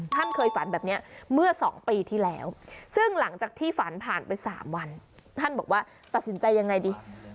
ท่านเคยฝันแบบนี้เมื่อ๒ปีที่แล้วซึ่งหลังจากที่ฝันผ่านไป๓วันท่านบอกว่าตัดสินใจยังไงดี